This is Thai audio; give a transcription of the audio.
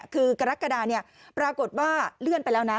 คือกรกฎาปรากฏว่าเลื่อนไปแล้วนะ